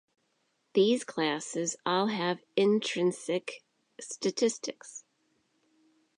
These classes all have intrinsic statistics.